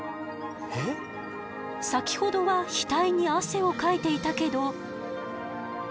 先ほどは額に汗をかいていたけど。